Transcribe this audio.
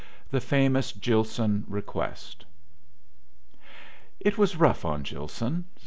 THE FAMOUS GILSON BEQUEST It was rough on Gilson.